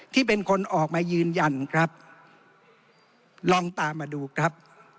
ที่เป็นคนออกมายืนยันครับลองตามมาดูครับ